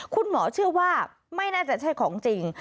คุณหมอเชื่อว่าไม่น่าจะใช่ของจริง